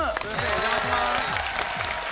お邪魔します！